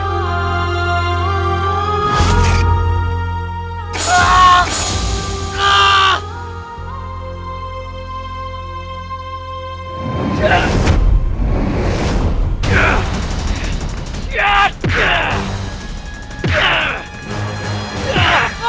aku melihat bayangan dia